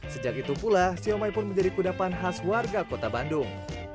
sejak itu pula siomay pun menjadi kudapan khas warga kota bandung